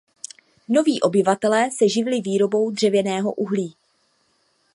Noví obyvatelé se živili výrobou dřevěného uhlí.